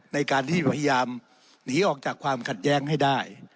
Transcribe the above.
ในการที่พยายามหนีออกจากความขัดแย้งให้ได้